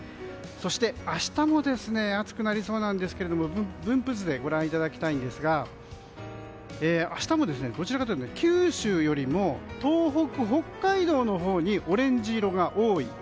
そして、明日も暑くなりそうで分布図でご覧いただきたいんですが明日もどちらかというと九州よりも東北、北海道のほうにオレンジ色が多い。